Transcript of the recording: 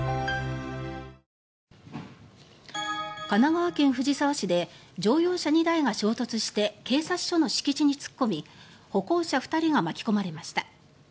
神奈川県藤沢市で乗用車２台が衝突して警察署の敷地に突っ込み歩行者２人が巻き込まれました。